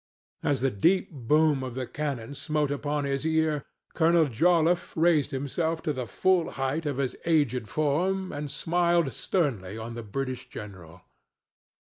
As the deep boom of the cannon smote upon his ear Colonel Joliffe raised himself to the full height of his aged form and smiled sternly on the British general.